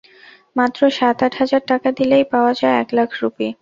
মাত্র সাত আট হাজার টাকা দিলেই পাওয়া যায় এক লাখ রুপি।